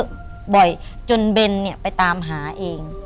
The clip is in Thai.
ฮะบ่อยจนเบนไปตามหาเอง